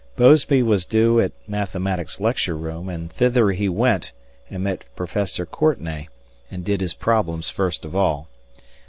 Mosby was due at Mathematics lecture room and thither he went and met Professor Courtnay and did his problems first of all.